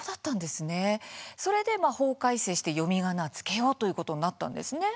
それで法改正して読みがなを付けようということになったんですね。